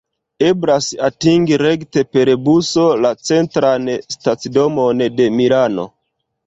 Eblas atingi rekte per buso la Centran Stacidomon de Milano.